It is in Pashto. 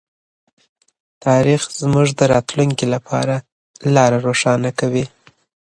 تاریخ زموږ د راتلونکي لپاره لاره روښانه کوي.